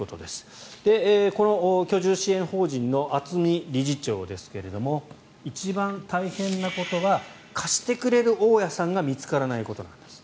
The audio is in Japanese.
この居住支援法人の渥美理事長ですが一番大変なことは貸してくれる大家さんが見つからないことなんです。